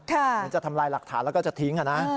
เหมือนจะทำลายหลักฐานแล้วก็จะทิ้งนะ